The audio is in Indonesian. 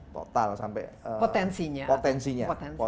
total sampai potensinya